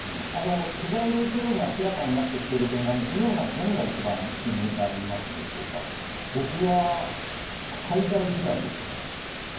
取材で徐々に明らかになってきている点があるんですが、宮根さん、僕は滞在時間でしたね。